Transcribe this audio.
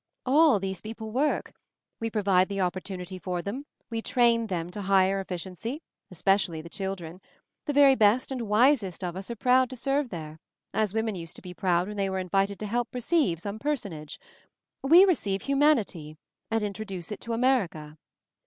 "All these people work. We provide the oppor tunity for them, we train them to higher efficiency, especially the children. The very best and wisest of us are proud to serve there — as women used to be proud when they were invited 'to help receive* some per sonage. We receive Humanity — and in troduce it to America.